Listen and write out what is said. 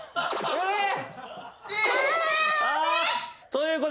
えっ！？